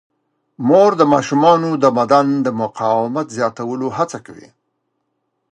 مور د ماشومانو د بدن د مقاومت زیاتولو هڅه کوي.